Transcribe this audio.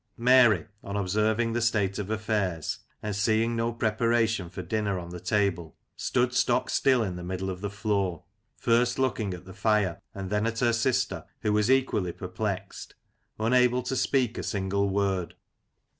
Mary, on observing the state of affairs, and seeing no preparation for dinner on the table, stood stock still in the middle of the floor, first looking at the fire, and then at her sister, who was equally perplexed, unable to speak a single word.